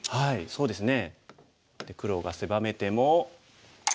そうですね。